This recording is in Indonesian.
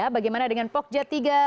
bagaimana dengan pokja tiga